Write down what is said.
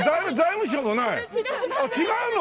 あっ違うの？